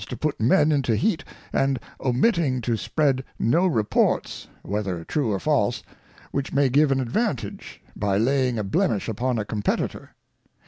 143 to put Men into heat, and omitting to spread no Reports, whether true or false, which may give an advantage hy laying a Blemish upon a Competitor.